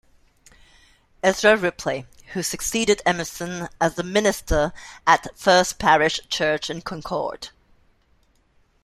Ezra Ripley, who succeeded Emerson as the minister at First Parish Church in Concord.